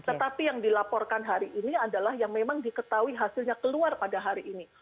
tetapi yang dilaporkan hari ini adalah yang memang diketahui hasilnya keluar pada hari ini